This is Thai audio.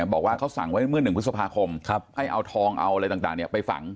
บอกว่าเขาสั่งไว้เมื่อ๑พฤษภาคมให้เอาทองเอาอะไรต่างไปฝัง